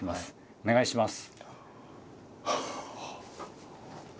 お願いします。